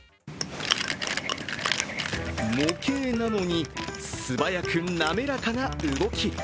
模型なのに、素早く滑らかな動き。